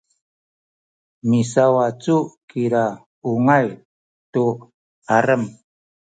misawacu kiza ungay tu alem